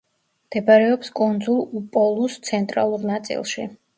მდებარეობს კუნძულ უპოლუს ცენტრალურ ნაწილში.